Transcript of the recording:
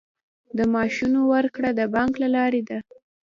د معاشونو ورکړه د بانک له لارې ده